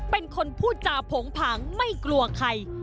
เป็นคนพูดจาโผงผางไม่กลัวใคร